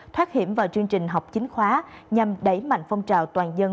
thoát hiểm vào chương trình học chính khóa nhằm đẩy mạnh phong trào toàn dân